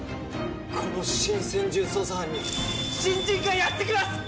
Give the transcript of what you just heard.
この新専従捜査班に新人がやってきます！